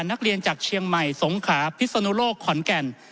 นักเรียนจากเชียงใหม่สงขาพิศนุโลกขอนแก่น